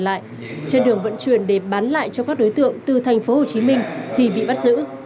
lại trên đường vận chuyển để bán lại cho các đối tượng từ thành phố hồ chí minh thì bị bắt giữ